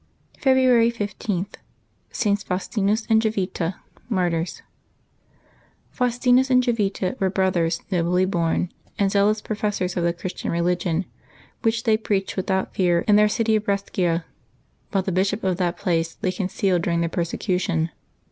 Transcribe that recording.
'' February 15.— STS. FAUSTINUS and JOVITA, Martyrs. fiAUSTI]srus and Jovita were brothers, nobly born, and zealous professors of the Christian religion, which they preached without fear in their city of Brescia, while the bishop of that place lay concealed during the persecu tion.